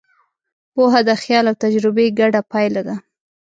پوهه د خیال او تجربې ګډه پایله ده.